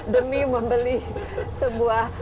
demi membeli sebuah